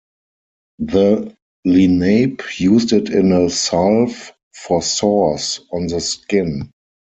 The Lenape used it in a salve for sores on the skin.